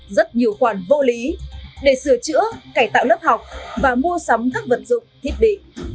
rất nhiều khoản vô lý để sửa chữa cải tạo lớp học và mua sắm các vật dụng thiết bị